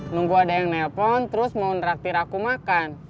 nunggu ada yang nelpon terus mau naktir aku makan